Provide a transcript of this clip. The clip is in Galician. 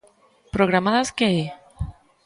¿Programadas que é?